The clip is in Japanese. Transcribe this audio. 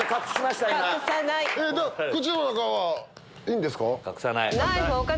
口の中はいいんですか？